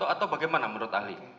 atau bagaimana menurut ahli